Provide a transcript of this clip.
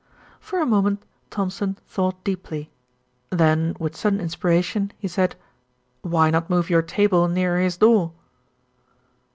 For a moment Thompson thought deeply, then with sudden inspiration he said, "Why not move your table nearer his door?"